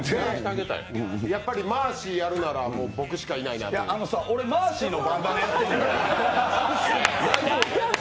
やっぱりマーシーやるなら僕しかいないあのさ俺、マーシーのバンダナやってんねん。